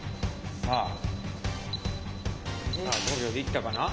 さあ５秒でいったかな？